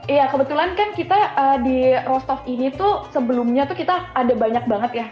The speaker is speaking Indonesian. iya kebetulan kan kita di roastov ini tuh sebelumnya tuh kita ada banyak banget ya